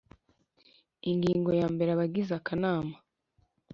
Ingingo ya mbere Abagize akanama